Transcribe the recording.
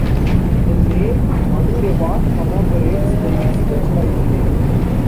The name Manurewa commemorates the incident by the name.